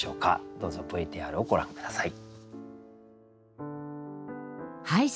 どうぞＶＴＲをご覧下さい。